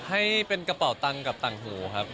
ให้เป็นกระเป๋าตังค์กับต่างหูครับ